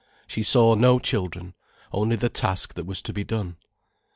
She saw no children, only the task that was to be done.